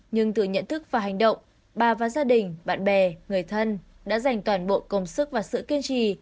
nhưng từ nhận thức và hành động bà và gia đình bạn bè người thân đã dành toàn bộ công sức và sự kiên trì